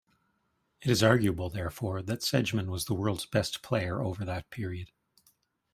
It is arguable, therefore, that Sedgman was the world's best player over that period.